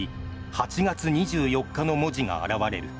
８月２４日の文字が現れる。